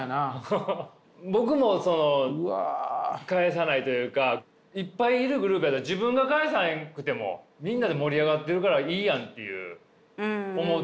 僕もその返さないというかいっぱいいるグループやったら自分が返さへんくてもみんなで盛り上がってるからいいやんっていう思うタイプやから。